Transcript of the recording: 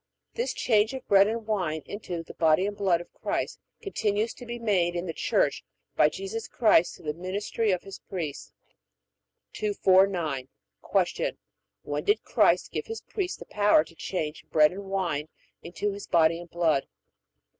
This change of bread and wine into the body and blood of Christ continues to be made in the Church by Jesus Christ through the ministry of His priests. 249. Q. When did Christ give His priests the power to change bread and wine into His body and blood?